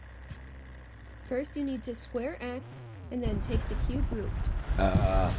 First you need to square x, and then take the cube root.